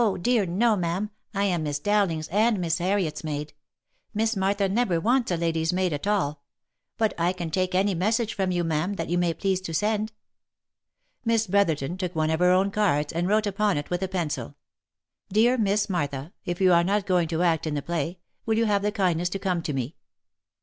dear no, ma'am, I am Miss Dowling's and Miss Harriet's maid. Miss Martha never wants a lady's maid at all ; but I can take any message from you, ma'am, that you may please to send." Miss Brotherton took one of her own cards, and wrote upon it with a pencil —" Dear Miss Martha, if you are not going to act in the play, will you have the kindness to come to me."